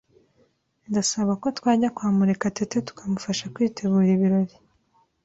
Ndasaba ko twajya kwa Murekatete tukamufasha kwitegura ibirori.